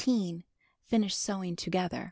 Finish sewing together.